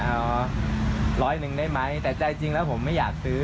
เอาร้อยหนึ่งได้ไหมแต่ใจจริงแล้วผมไม่อยากซื้อ